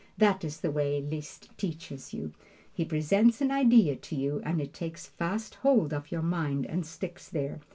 That is the way Liszt teaches you. He presents an idea to you, and it takes fast hold of your mind and sticks there.